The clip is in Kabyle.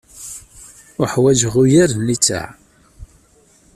Ḥwaǧeɣ ugar n litteɛ.